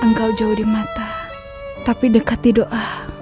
engkau jauh di mata tapi dekat di doa